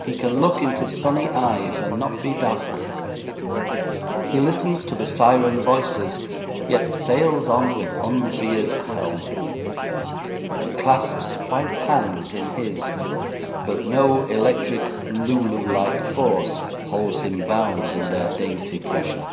He can look into sunny eyes and not be dazzled. He listens to the siren voices, yet sails on with unveered helm. He clasps white hands in his, but no electric "Lulu" like force holds him bound in their dainty pressure.